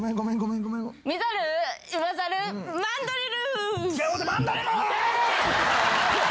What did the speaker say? マンドリル！